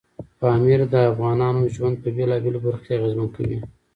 پامیر د افغانانو ژوند په بېلابېلو برخو کې اغېزمن کوي.